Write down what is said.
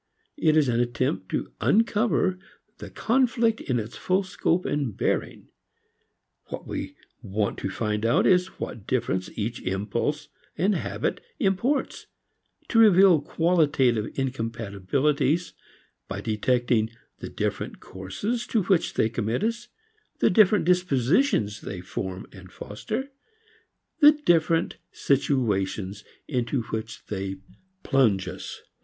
It is an attempt to uncover the conflict in its full scope and bearing. What we want to find out is what difference each impulse and habit imports, to reveal qualitative incompatibilities by detecting the different courses to which they commit us, the different dispositions they form and foster, the different situations into which they plunge us.